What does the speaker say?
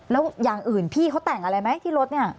แล้วอย่างอื่นพี่เขาแต่งอะไรไหมที่รถเนี่ย